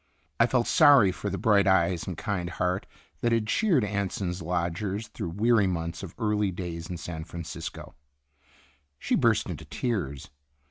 I felt sorry for the bright eyes and kind heart that had cheered Anson's lodgers through weary months of early days in San Francisco. She burst into tears.